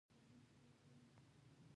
هغه دا تجربې تحليل کړې او درس يې ترې واخيست.